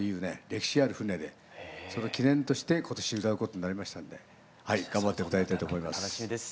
歴史ある船でその記念として今年歌うことになりましたんで頑張って歌いたいと思います。